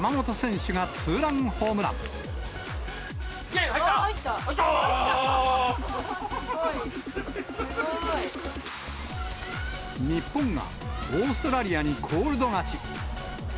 すごい！日本がオーストラリアにコールド勝ち。